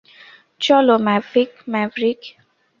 চলো, ম্যাভরিক।